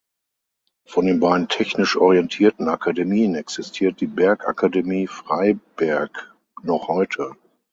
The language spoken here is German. Von den beiden technisch orientierten Akademien existiert die Bergakademie Freiberg noch heute.